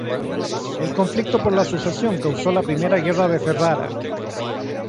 El conflicto por la sucesión causó la primera guerra de Ferrara.